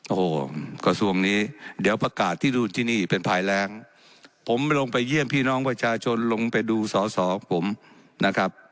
โอ้โหกระทรวงนี้เดี๋ยวประกาศที่นู่นที่นี่เป็นภายแรงผมลงไปเยี่ยมพี่น้องประชาชนลงไปดูสอสอของผมนะครับ